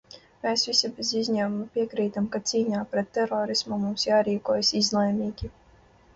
Mēs visi bez izņēmuma piekrītam, ka cīņā pret terorismu mums jārīkojas izlēmīgi.